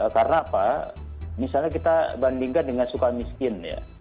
karena apa misalnya kita bandingkan dengan sukan miskin ya